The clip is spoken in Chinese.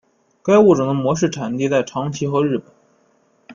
该物种的模式产地在长崎和日本。